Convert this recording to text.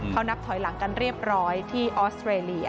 เขานับถอยหลังกันเรียบร้อยที่ออสเตรเลีย